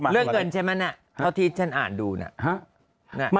เรื่องเงินใช่ไหมน่ะเท่าที่ฉันอ่านดูนะ